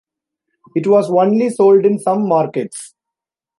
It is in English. It was only sold in some markets.